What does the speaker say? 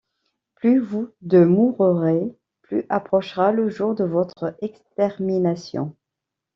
Plus vous demourerez, plus approchera le jour de votre extermination.